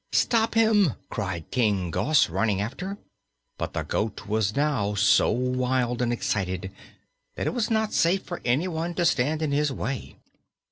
"Stop him!" cried King Gos, running after. But the goat was now so wild and excited that it was not safe for anyone to stand in his way.